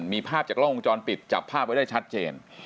มีภาพจากกล้องวงจรปิดจับภาพไว้ได้ชัดเจน